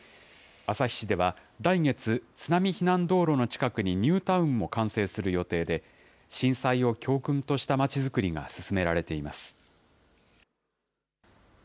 旭市では来月、津波避難道路の近くにニュータウンも完成する予定で、震災を教訓としたまちづくりが進められています。